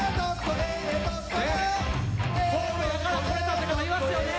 ホールやから来れたって方いますよね？